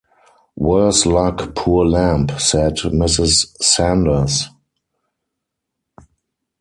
'Worse luck, poor lamb!’ said Mrs. Sanders.